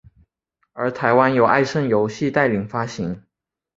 而台湾由爱胜游戏代理发行。